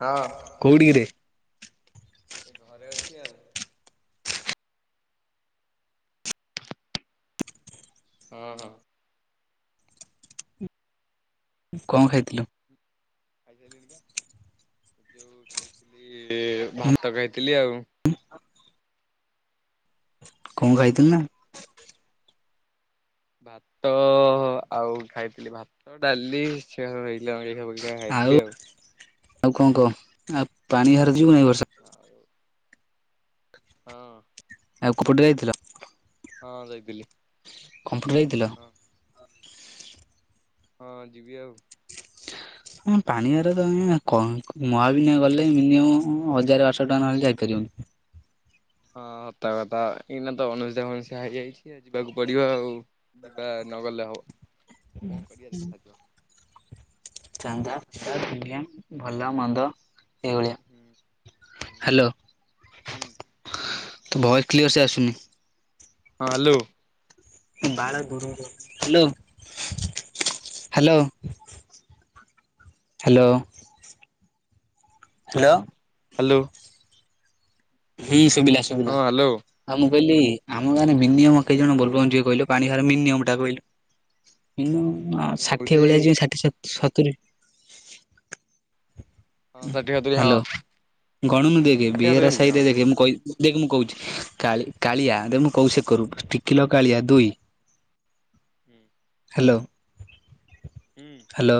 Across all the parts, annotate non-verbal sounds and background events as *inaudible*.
ହଁ। କୋଉଠି କିରେ? ଏ ଘରେ ଅଛି ଆଉ। ହଁ ହଁ। କଣ ଖାଇଥିଲୁ? ଖାଇ ସାଇଲିନି ପା, ଯୋଉ ଖାଇଥିଲି ଭାତ ଖାଇଥିଲି ଆଉ। *unintelligible* କଣ ଖାଇଥିଲି ନା। ଭାତ ଆଉ ଖାଇଥିଲି ଭାତ ଡାଲି। ଶେରା ସବୁ ହେଇଥିଲା *unintelligible* ଖାଇଥିଲି ଆଉ। ଆଉ କଣ କହ, ଆଉ ପାଣି ଭାର ଯିବୁ ନେଇଁ ଏ ବର୍ଷ। ଆଉ। ହଁ। ଆଉକୋଉପଟେ ଯାଇଥିଲ? ହଁ ଯାଇଥିଲି। କମ୍ପ୍ୟୁଟର ଯାଇଥିଲ। ହଁ। ହଁ ଯିବି ଆଉ। ପାଣିିବାର ତ କଁ ମହାବିନାୟ ଗଲେ ମିନିମମ୍ ହଜାର ବାରଶହ ଟ ନ ହେଲେ ଯାଇପାରିବନି। ହଁ ହତ କଥା ଏଇନା ତ ଅନୁସୁଦିଆ ଫଣୁଷ ହେଇଯାଇଛି ଯିବାକୁ ପଡିବ ଆଉ। ଯିବା ନ ଗଲେ ହବ, କଣ କରିବା ଦେଖା ଯିବ। ଚାନ୍ଦା *unintelligible* ଭଲ ମନ୍ଦ ଏଇଭଳିଆ। ହୁଁ ହୁଁ ହ୍ୟାଲୋ ହୁଁ। ଭଏସ କ୍ଲିୟର ସେ ଆସୁନି। ହଁ ହ୍ୟାଲୋ। ବାଳ ଦୁରୁକୁ ଯାଉଚି, hello hello hello. Hello. Hello. ହେଇ ସୁବିିଲା ସୁବିଲା, ହଁ ହ୍ୟାଲୋ। ଆଉ ମୁଁ କହିଲି ଆମ ଗାଁରେ ମିନିୟମ କେଇ ହୁଁ ଜଣ ବୋଲ କହୁ ବମ୍ ଯିବେ କହିଲୁ। ପାଣି ଭାର ମିନିୟମ ଟା କହିଲୁ ମିନିୟ ମ୍ ମିନିମମ୍ ଷାଠିଏ ହଉଛି ଭଳିଆ ଯିବେ ଷାଠିଏ ସତୁରି ହଁ ଷାଠିଏ ସତୁରି ହଁ। ହ୍ୟାଲୋ ଗଣନୁ ଦେଖେ ଆଠ ହାତ ବେହେରା ଜଣିବେ ହଁ ସହିତରେ ଦେଖେ ମୁଁ କହି ଦେଖ ମୁଁ କହୁଛି କାଳିଆ ଦେଖ ମୁଁ କହୁଚି ସେ କରୁ ତିକିଲ କାଳିଆ ଦୁଇ। ହୁଁ। ହ୍ୟାଲୋ ହଁ ହ୍ୟାଲୋ।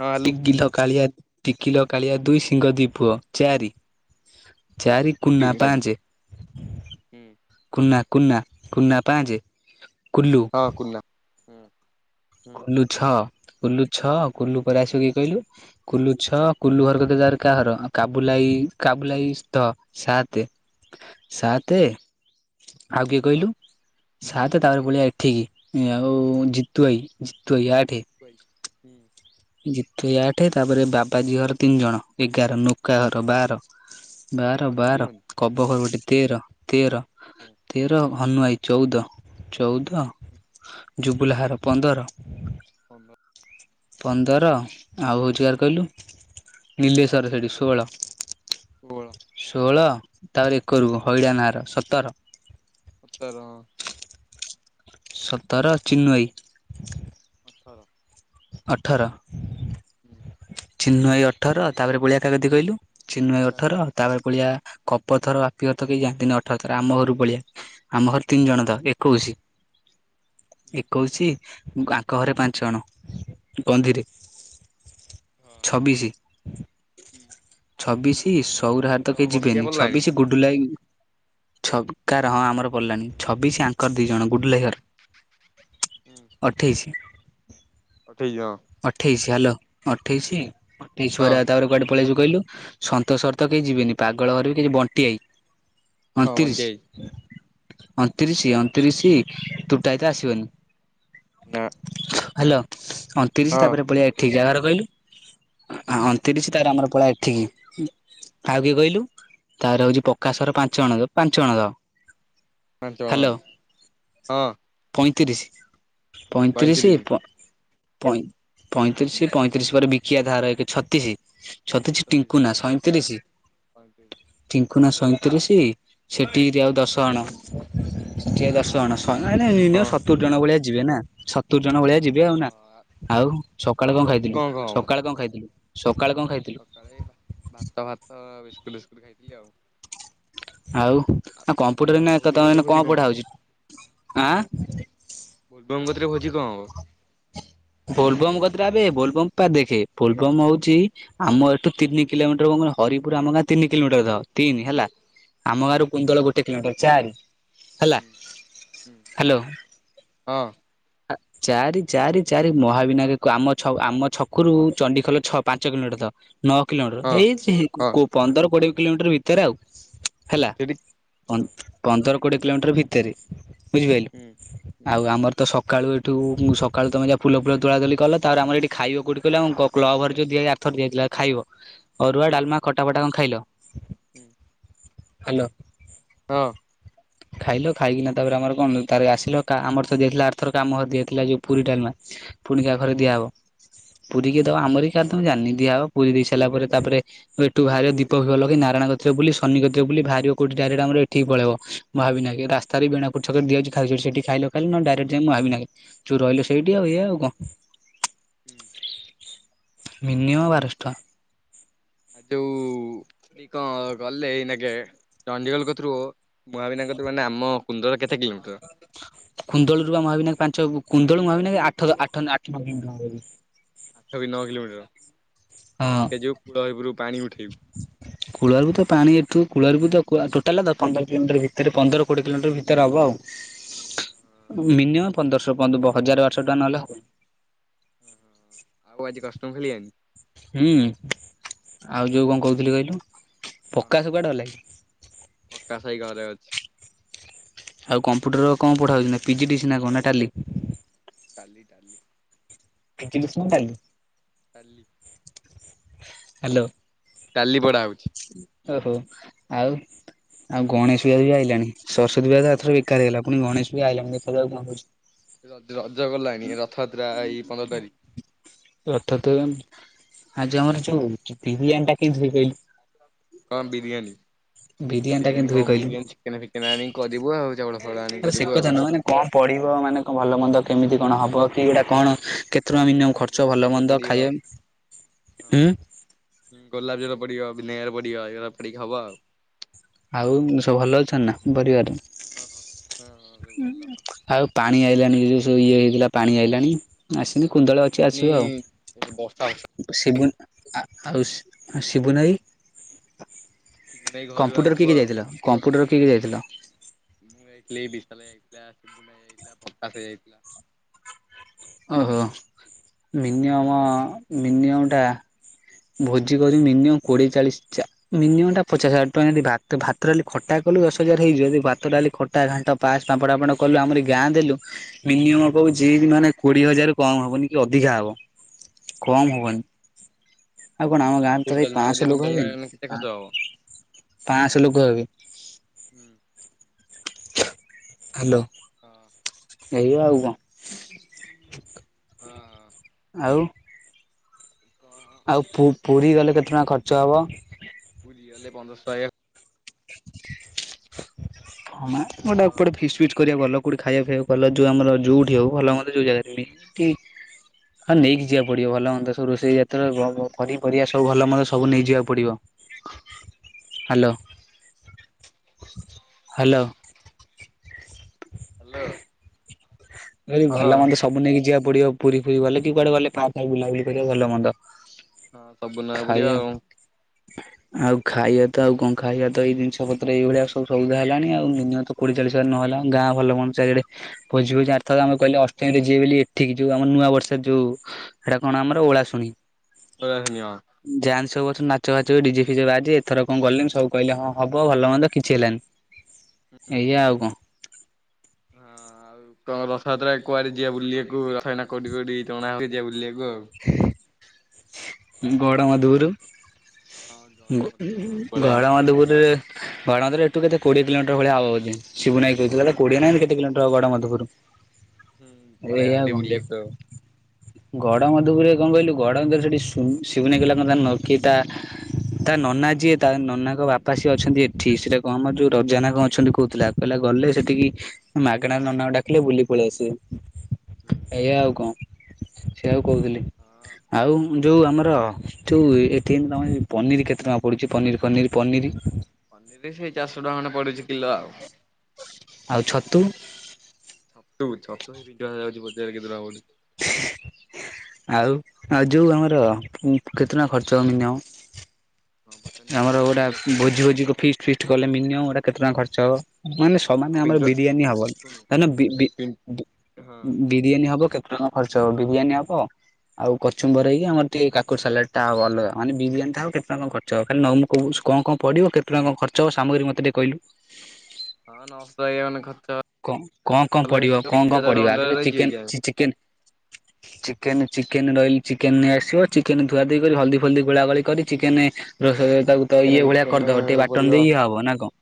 ହ୍ୟାଲୋ ତିକିଲ କାଳିଆ ଟିକିଲ କାଳିଆ ଦୁଇ, ସିଂହ ଦି ପୁଅ ଚାରି ଚାରି କୁନା ପାଞ୍ଚ କୁନା କୁନା କୁନା ପାଞ୍ଚ। ହଁ କୁନା। କୁଲୁ ଛ କୁଲୁ ଛ କୁଲୁ ପରେ ଆସିବ କିଏ କହିଲୁ? କୁଲୁ ଛ କୁଲୁ ଘର କତୀରେ କା ଘର କାବୁଲାଇ କାବୁଲାଇ ଧ ସାତେ, ସାତେ ଆଉ କିଏ କହିଲୁ ସାତ ତାପରେ ଓକେ ପଳିଆ ଏଠିକି ଆଉ ଜିତୁ ଭାଇ ଜିତୁ ଭାଇ ଆଠେ। ବାଇ ଇ। ଜିତୁ ଭାଇ ଆଠେ ତାପରେ ବାବାଜୀ ଘର ତିନି ଜଣ ଏଗାର ନୁକା ଘର ବାର। ବାର ବାର ହଜିଯିବନି କବ ଘର ଗୋଟେ ତେର ତେର। ହୁଁ। ତେର ହନୁଭାଇ ଚଉଦ ଚଉଦ ଜୁବୁଲା ଘର ପନ୍ଦର। ପଦ, ପନ୍ଦର ଆଉ ହଉଛି କାହାର କହିଲୁ। ନୀଲେଶ୍ଵର ସେଠି ସୋଳ। ଷୋଳ। ଷୋହଳ ତାପରେ ଏକରୁକୁ ହଇଡ଼ା ନାଁର ସତର। ସତର ହଁ। ସତର ଚିନୁଭାଇ। ଅଠର। ଅଠର। ହୁଁ। ଚିନୁଭାଇ ଅଠର ତାପରେ ବଳିଆ କା କତି କହିଲୁ ଚିନୁଭାଇ ଅଠର। ଏକାଅଧୀ ତାପରେ ପଳେଇଆ କପ ଥର ବାପି ଘର ତ କେହି ଯାଆନ୍ତିନି ଅଠର ଥର ଆମ ଘରରୁ ପଳେଇଆ ଆମ ଘର ତିନି ଜଣ ତ। ଏକୋଇଶ ଏକୋଇଶ ଆଙ୍କ ଘରେ ପାଞ୍ଚଜଣ। କନ୍ଧି ରେ। ହଁ ଛବିଶି ଛବିଶି ତମ ସଉରା ଘର ତ ତମ କେହି ବସିକା ଯିବେନି ପଡିଲାଣି? ଛବିଶି। ଗୁଡୁଲା ଭାଇ ଛ କାର ହଁ ଆମର ପଡ଼ିଲାନି ଛବିଶ ଆଙ୍କ। ଦି ଜଣ ଗୁଡଲା ଭାଇ ଘର ଅଠେଇଶି। ଆଠେଇଶି ହଁ। ଅଠେଇଶି ହାଲୋ ଅଠେଇଶି ଅଠେଇଶି ହଁ ପରେ ଆଉ ତାପରେ କୁଆଡେ। ପଳେଇ ଆସିବୁ କହିଲୁ ସନ୍ତୋଷ ଘର ତ କେହି ଯିବେନି ପାଗଳ ଘର ବି କେହି ଯିବେନି ବଣ୍ଟି ଭାଇ। ହଁ ବଣ୍ଟିଭାଇ। ଅଣତିରିଶି-ଅଣତିରିଶି ତୁଟା ଏତେ ଆସିବନି। ନାଁ। ହାଲୋ ଅଣତିରିଶି ତାପରେ ପଳେଇ ଏଠିକି କାହା ଘର କହିଲୁ ଅଣତିରିଶି। ତାରେ ଆମର ପଳେଇଆ ଏଠିକି। ଆଉ କିଏ କହିଲୁ ତାପରେ ହଉଛି ପ୍ରକାଶ ଘର ପାଞ୍ଚ ଜଣ ପାଞ୍ଚ ଜଣ ଧ। ପାଞ୍ଚ ଜଣ ହଁ। ପଇଁତିରିଶି ପଇଁତିରିଶି ପଇଁତିରିଶ ପ, ପଁଇ ପଇଁତିରିଶି ପଇଁତିରିଶି ପରେ ବିକିଦାଦା ଘର ଏକେ ଛତିଶି। ଛତିଶି ସତେଇଶ ଟିଙ୍କୁନା ସଇଁତିରିଶି। ପଇଁତିରିଶ ଟିିଙ୍କୁନା ସଇଁତିରିଶି ସେଠିରି ଆଉ ଦଶ ଅଣ ସେଠି ଆଉ ଦଶ। ଜଣ ମାନେ ମିନିଅମ୍ ସତୁରି ଜଣ ଭଳିଆ ଯିବେ ନା ସତୁରି ଜଣ ଭଳିଆ ଯିବେ ଆଉ ନା। ହଁ ଆଉ ସକାଳେ ସେଠି କଣ ଭୋଜି ଖାଇଥିଲୁ, କଣ ସକାଳେ କଣ ଖାଇଥିଲୁ, ସକାଳେ କଣ ଖାଇଥିଲୁ। ସକଳେ ଭାତ ଭାତ ବିସ୍କୁଟ ଫିସ୍କୁଟ ଖାଇଥିଲି ଆଉ। ଆଉ କମ୍ପୁଟରରେ ଆଉ ଏଇନା ଏକ ବୋଲବମ୍ କତିରେ ତମେ ଭୋଜି କଣ ପଢା ହବ? ହଉଛି ଆଁ। ବୋଲବମ୍ କତିରେ ଭୋଜି କଣ ହବ। ଭୋଲବମ୍ କତିରେ ଆବେ ଭୋଲବମ୍ ପା ଦେଖେ ଭୋଲବମ୍ ହଉଛି। ଆମ ଏଠୁ ତିନ କିଲୋମିଟର କଣ କହିଲୁ ହରିପୁର ଆମ ଗାଁ ତିନି କିଲୋମିଟର ଧ ତିନି ହେଲା। ଆମ ହୁଁ ଗାଁରୁ କୁନ୍ଦଳ ଗୋଟେ କିଲୋମିଟର ଚାରି ହେଲା ହୁଁ ହୁଁ ହାଲୋ। ହଁ। ଚାରି, ଚାରି, ଚାରି ମହାବିନାୟକ ଆମ ଆମ ଛକରୁ ଚଣ୍ଡିଖୋଲ ଛଅ ପାଞ୍ଚ କିଲୋମିଟର ଧ। ନଅ କିଲୋମିଟର ହଁ ଏଇ ହଁ ପନ୍ଦର କୋଡିଏ କିଲୋମିଟର ଭିତରେ ଆଉ। ହୁଁ ହେଲା ସେଠି ହଁ ପନ୍ଦର କୋଡିଏ କିଲୋମିଟର ଭିତରେ। ବୁଝିପାରିଲୁ ହୁଁ ହୁଁ ଆଉ ଆମର, ତ ସକାଳୁ ଏଠୁ ସକାଳୁ ତୁମେ ଯାହା ଫୁଲ ଫୁଲ ତୋଳାତୋଳି କଲ ତାପରେ ଆମର ଏଇଠି ଖାଇବ କୋଉଠି କହିଲୁ ଆମ କ୍ଲବ୍ ଘରେ ଯୋଉ ଦିଆ। ଥରେ ଦିଆ ଯାଇଥିଲା ଖାଇବ ଅରୁଆ ହୁଁ ଡାଲମା ଖଟା ଫଟା କଣ ଖାଇଲ। ହୁଁ। ହାଲୋ। ହଁ। ଖାଇଲ ଖାଇକିନା ତାପରେ ଆମର କଣ ତାରେ ଆସିଲ ଆମର ଦିଆହେଇଥିଲା ଅର୍ ଥରକ ଆମ ଘରେ ଦିଆଥିଲା ଯୋଉ ପୁରୀ ଡାଲମା ପୁଣିି କା ଘରେ ହୁଁ ଦିଆହେବ ହୁଁ ପୁରୀ କେ ତ ଆମର କାର ତ ମୁଁ ଜାଣିନି ଦିଆହବ ପୁରୀ ଦେଇ ସାରିଲା ପରେ ତାପରେ ଏଠୁ ବାହାରିବ ଦୀପ ଫିପ ଲଗେଇ ନାରାୟଣ କତିରେ ବୁଲି ଶନି କତିରେ ବୁଲି ଭାରିବ କୋଉଠି ଡାଇରେକ୍ଟ ଆମର ଏଠିକି ପଳେଇବ ମହାବିନାୟକ। ଏ ରାସ୍ତାରେ ବୀଣାକୋଟ ଛକରେ ଦିଆହଉଚି ଖାଉଚି ହେଟି ସେଠି ଖାଇଲୁ-ଖାଇଲୁ ନହେଲେ ଡାଇରେକ୍ଟ ମହାବିନାୟକ ରେ ଯୋଉ ରହିଲୁ ସେଇଠି ଆଉ ଏୟା ଆଉ କଣ। ହୁଁ। ମିନିମମ୍ ବାରଶ ଟଙ୍କା। ଆ ଯୋଉ ଏ କଁ ଗଲେ ଏଇନା କେ? ଚଣ୍ଡିଖୋଲ କତୁରୁ ମହାବିନାୟକ କତୁରୁ ମାନେ ଆମ କୁନ୍ଦର କେତେ କିଲୋମିଟର? କୁନ୍ଦଳରୁ ବା ମହାବିନାୟକ ପାଞ୍ଚ କୁନ୍ଦଳୁ ମୁହାବିନାୟକ ଆଠ ଆଠ ନ କିଲୋମିଟର୍ ହବ। ଆଠ କି ନଅ କିଲୋମିଟର ହଁ ପାଖେ ଯିବୁ କୂଳ ହେପୁର ପାଣି ଉଠାଇବୁ? କୁଳାରୁ ତ ପାଣି ଏଠୁ କୁଳାର୍ ତ ଟୋଟାଲ ପନ୍ଦର କିଲୋମିଟର ଭିତରେ ପନ୍ଦର କୋଡିଏ କିଲୋମିଟର ଭିତରେ ହବ ଆଉ। ମିନିମମ୍ ପନ୍ଦରଶହ ହଜାର ବାରଶ ଟଙ୍କା ନହେଲେ ହବନି। ଆଉ ଆଜି କଷ୍ଟମ୍ ଖେଳିିଆନି? ହୁଁ ଆଉ ଯୋଉ କଣ କହୁଥିଲି କହିଲୁ ପକାଶ କୁଆଡେ ଗଲା କି? ପକାଶ ଏଇ ଘରେ ଅଛି। ଆଉ କମ୍ପ୍ୟୁଟର କଣ ପଢା ହଉଚି ନା ପି ଜି ଡି ସି ସିନା କଣ ନା Tally? Tally Tally. P G D C ନା ଟାଲି? ଟାଲି। ହ୍ୟାଲୋ। ଟାଲି ପଢ଼ା ହଉଚି। ଓହୋ ଆଉ ଆଉ ହଁ ଗଣେଶ ବି ଆଇଲାଣି ସରସ୍ୱତୀ ପୂଜା ତ ହଁ ଆରଥର ବେକାର ହେଇଗଲା ପୁଣି ଗଣେଶ ବି ଆଇଲାଣି ଦେଖାଯାଉ କଣ ହଉଚି। ରଜ ଗଲାଣି ରଥଯାତ୍ରା ଏଇ ପନ୍ଦର ତାରିଖ। ରଥଯାତ୍ରା ଜାଣୁ ଆଜି ଆମର ଯୋଉ ବିରିୟାନୀ ଟା କେମିତି ହୁଏ କହିଲୁ? କ ବିରିଆନି? ଟା ବିରିୟାନୀ କେମିତି କଣ ହୁଏ କହିଲୁ? ବିରିୟାନୀ ଚିକେନ ଫିକେନ ଆଣିକି କରିବୁ ଆଉ ଚାଉଳ ଫାଉଳ ଆଣିକି ଆରେ ସେ କରିବୁ କଥା ଆଉ। ନୁହଁ ମାନେ କଣ ପଢିବ ମାନେ କଣ ଭଲ ମନ୍ଦ କେମିତି କଣ ହଁ ହବ କି ଗୁଡା କଣ ହଁ କେତେ ଟଙ୍କା ପଡିବ ମିନି କଣ ଖର୍ଚ୍ଚ ଗୋଲାପ ଭଲ ଜଳ ମନ୍ଦ ପଡିବ। ଖାଇବା? ହୁଁ ହଁ। ଗୋଲାପ ଜଳ ପଡିବ ଭିନେଗାର ପଡିବ ଏଗୁରା ପଡିକି ହବ ଆଉ। ଆଉ ସବୁ ଭଲ ଅଛନ୍ତି ନା ପରିବାରରେ? ହଁ ହଁ ହଁ ସବୁ ଭଲ ଆଉ ପାଣି ଆଇିଲାଣି ଯୋଉ ସବୁ ଇଏ ହେଇଥିଲା ପାଣି ଆଇଲାଣି। ଆସିନି କୁନ୍ଦଳ ଅଛି ମାନେ ଆସିବ ଆଉ। ବର୍ଷା ବର୍ଷା ସିବୁନ ଆଉ ଶିବୁନାଈ? ଶିବୁନ ଭାଇ ଘରୁ କମ୍ପୁଟର ଆଉଥିବ କିଏ କିଏ ଆଉ। ଯାଇଥିଲ କମ୍ପୁଟର କିଏ କିଏ ଯାଇଥିଲ? ମୁଁ ଯାଇଥିଲି ବିଶାଲ ଯାଇଥିଲା *unintelligible* ଯାଇଥିଲା ପକାଶ ଯାଇଥିଲା। ଓହୋ ହଁ ମିନିମମ ମିନିମଟା ଭୋଜି କରି ମିନିମମ୍ କୋଡ଼ିଏ ଚାଳିଶି ଚା ମିନିମମ୍ ଟା ପଚଶ ହଜାର ଟଙ୍କା ଯଦି ଭାତ ଭାତ ଡାଲି ଖଟା କଲୁ ଦଶ ହଜାର ହେଇ ଯଦି ଭାତ ଡାଲି ଖ ଟା ଘାଣ୍ଟ ପାୟସ ପାମ୍ପଡ଼ ଫାପଡ କଲୁ ଆମରି ଗାଁ ଦେଲୁ ମିନିମମ୍ କହୁଚି ମାନେ କୋଡିଏ ହଜାରରୁ କମ ହବନି କି ଅଧିକା ହବ ହଁ କମ ହବନି। ଆଉ କଣ ହଁ ଆମ ତମେ ଗାଁରେ ପୁରୀ ତ ଭ ଡାଲମା କରିଛ ପାଆସ ପୁରୀ ଲୋକ ହେବେନି ଡାଲମା କେତେ ଖର୍ଚ୍ଚ ହବ? ପାଆସ ଲୋକ ହେବେ। ହୁଁ। ହ୍ୟାଲୋ। ହଁ। ଏଇ ଆଉ କଣ। ହଁ। ଆଉ। କଣ ଆଉ ପୁ ପୁରୀ ଗଲେ କେତେ ଟଙ୍କା ଖର୍ଚ୍ଚ ହବ। ପୁରି ଗଲେ ପନ୍ଦରଶହ *unintelligible* ହଁ ଗୋଟେ ଟଙ୍କା ଗୋଟେ ଫିଷ୍ଟ ଫିଷ୍ଟ କରିବାକୁ ଗଲ କଉଠି ଖାଇବା ଫାଇବାକୁ କଲ ଯୋଉ ଆମର ଯଉଠି ହଉ ଭଲ ମନ୍ଦ ଯୋଉ ଜାଗାରେ ବି କି ହ ନେଇକି ଯିବାକୁ ପଡିବ ଭଲ ହୁନ୍ତା ସବୁ ରୋଷେଇ ଏଥରକ ପ ପନିପରିବା ସବୁ ଭଲ ମନ୍ଦ ସବୁ ନେଇଯିବାକୁ ପଡ଼ିବ ହ୍ୟାଲୋ। ହ୍ୟାଲୋ। ହ୍ୟାଲୋ। ମୁଁ କହିଲି ହଁ ଭଲ ହଁ ମନ୍ଦ ସବୁ ନେଇକି ଯିବା ପଡିବ ପୁରୀ ଫୁରୀ ଗଲେ କି କୁଆଡେ ଗଲେ ପାର୍କ ବୁଲାବୁଲି କରିବା ଭଲ ମନ୍ଦ ହଁ ସବୁ ନବାକୁ ପଡିବ ଖାଇବା ଆଉ। ଆଉ ଖାଇବା ତ ଆଉ କଣ ଖାଇବା ତ ଏଇ ଜିନିଷ ପତ୍ର ଏଇଭଳିଆ ସବୁ ସୂଉଦା ହେଲାଣି ଆଉ ନିହାତୀ କୋଡ଼ିଏ ଚାଳିଶି ହଜାର ନହେଲେ ଗାଁ ଭଲ ହୁଅ ଚାରିଆଡ଼େ ଭୋଜି ଫୋଜି ଆ ରଥର ଆମେ କହିଲେ ଅଷ୍ଟମୀରେ ଯିବି ବୋଲି ଏଠିକି ଯୋଉ ଆମ ନୂଆ ବର୍ଷରେ ଯୋଉ ହେଟା କଣ ଆମର ଓଳା ଶୁଣି। *unintelligible* ଯାହାନ ସବୁ ବର୍ଷ ନାଚ ଫାଚ ଡିଜେ ଫିଜେ ବାଜେ ଏଥର କଣ ଗଲେଣିି ସବୁ କହିଲେ ହଁ ହବ ଭଲ ମନ୍ଦ କିଛି ହେଲାନି। ଏଇୟା ଆଉ କଂ ହଁ। ଆଉ ତମ ରଥଯାତ୍ରା କୁଆଡେ ଯିବା ବୁଲିବାକୁ ରଥ ୟାନା କୋଉଠି କୋଉଠି ଟଣା ହେଉଚି ଯିବା ବୁଲିବାକୁ। କୁ ଆଉ। ଗଡ଼ମଧୁପୁରୁ ହଁ ଗ ଗଡମଧୁପୁର ସବୁ ଗୁ ପଳେଇବା ଗଡମଧୁପୁରୁରେ ଗଡମଧୂପୁରୁ ଏଠୁ କେତେ କୋଡିଏ କିଲୋମିଟର ଭଳିଆ ହବ ବଧେ ଶିବୁନ ଆଇ କୋହୁଥିଲା ତ କୋଡିଏ ନା ଏମ୍ କେତେ କିଲୋମିଟର ଗଡମଧୂପୁରୁ। ହୁଁ ପଳେଇବା ହେଠି ବୁଲିବାକୁ। ଗଡ଼ମଧୂପୁରୁରେ କଣ କହିଲୁ ଗଡମଧୂପୁରୁରେ ସେଠି ଶିବ ଶିବୁନୁ ଭାଈ କହିଲା ନଖୀତା ତା ନନା ଯିଏ ତା ନନାଙ୍କ ବାପା ସିଏ ଅଛନ୍ତି ଏ ଠି ସେରା କଣ ଆମର ଯଉ ରଜାନା କଣ ଅଛନ୍ତି କହୁଥିଲା କହିଲା ଗଲେ ସେଠିକି ମାଗଣା ନନାକୁ ଡାକିଲେ ବୁଲି ପଳେଇ ଆସିବେ ଏଇଆା ଆଉ କଣ। ସେୟା କୁ କହୁଥିଲି ଆଉ। ଯୋଉ ଆମର ଯୋଉ ଏଠି ଆମର ପନିର କେତେ ଟଙ୍କା ପଡ଼ୁଛି ପନିର ପନିର ପନିର। ପନିର ସେଇ ଚାରିଶ ଟଙ୍କା ଖଣ୍ଡେ ପଡୁଛି କିଲ ଆଉ। ଆଉ ଛତୁ। ଛତୁ ଛତୁ *unintelligible* ଯାଉଛି ବଜାରରେ କେତେ ଟଙ୍କା *unintelligible* ଆଉ ଆଉ ଯଉ ଆମର କେତେ ଟଙ୍କା ଖର୍ଚ୍ଚ ମିନିଅମ। ହଁ ପଚାରିନି କେତେ ଆମର ଗୋଟା ବିଜନେସ ଭୋଜି କଲେ ଭୋଜି କଣ କ ହବ ଫିଷ୍ଟ ଫିଷ୍ଟ କଲେ ମିନିମଟା କେତେ ଟଙ୍କା ଖର୍ଚ୍ଚ ହବ। ମାନେ ହଁ ସମାନେ ଆମର ପିଣ୍ଟୁ ବିରିୟାନୀ ହବ ଶୁଣୁ ତାନେ ବି ଶୁଣୁ ବି ପିନ୍ ଦୁ ହଁ। ବିରିୟାନୀ ହବ କେତେ ଟଙ୍କା ଖର୍ଚ୍ଚ ହବ ବିରିୟାନୀ ହବ। ଆଉ କଚୁମ୍ବର୍ ହେଇକି ଆମର ଟିକେ କାକୁଡି ସାଲାଡ ଟା ହବ ଅଲଗା ମାନେ ବିରିୟାନୀ ଟା ହବ କେତେ କଣ ଖ ର୍ଚ୍ଚ ହବ ଖାଲି ନ ମୁଁ କୋହୁ ସୂ କଣ କଣ ପଡିବ କେତେ ଟଙ୍କା କ ଖର୍ଚ୍ଚ ହ ସାମଗ୍ରୀ ମତେ ଟିକେ କହିଲୁ। ହଁ *unintelligible* ଖର୍ଚ୍ଚ ଙ୍କ ଙ୍କ ଙ୍କ କଲେ ପଡିବ କଣ କଣ ପଡିବ ଆଗେ ଅଣ୍ଡରରେ ତ ରହିଯିବେ ଚିକେନ କି ଆଉ। ସି ଚିକେନ ଚିକେନ ଚିକେନ ନ ହିଲି ଚିକେନ ନେଇ ଆସିବ ଚିକେନ ଧୁଆଧୁଇ କରି ହଲଦୀ ଫଲଦି ଗୋଳା ଗୋଳି କରି ଚିକେନ ରୋସେ ହଁ ତାକୁ ତ ଚିକେନ ଇଏ ଭଳିଆ ଫିକେନ କରିଦବ ଟିକେ ପଡିବ। ବାଟନ ଦେଇ ଇଏ ହବ ନା କଣ।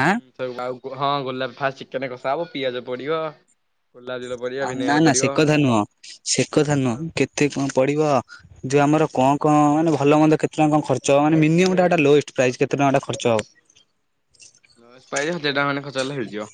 ହାଁ ହୁଁ ସବୁ ଆଉ ଗୋ ହଁ ଗୋଲାପ ଫାଷ୍ଟ ଚିକେନ କଷା ହବ ପିଆଜ ପଡିବ ଗୋଲାପ ଜଳ ପଡିବ ନା ଭିନେଗାର ନା ସେ ପଡିବ। କଥା ନୁହଁ ସେ କଥା ନୁହଁ କେତେ କଣ ପଡିବ ଯୋଉ ଆମର ଙ୍କ ଙ୍କ ମାନେ ଭଲ ମନ୍ଦ କେତ କେତେ ଟଙ୍କା ଖର୍ଚ ହବ, ମାନେ ମିନିମମ୍ ଟା ଲୋଇଷ୍ଟ ପ୍ପ୍ରାଇସ୍ କେତେ ଟଙ୍କା ହେଟା ଖର୍ଚ ହବ? ଲୋଇସ ପାଇଜ ଯେଇଟା ମାନେ ଖଚ ହେଲେ ହେଇଯିବ।